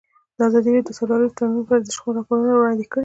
ازادي راډیو د سوداګریز تړونونه په اړه د شخړو راپورونه وړاندې کړي.